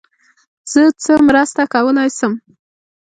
زه څه مرسته کولای سم.